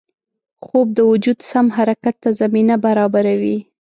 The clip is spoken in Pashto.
خوب د وجود سم حرکت ته زمینه برابروي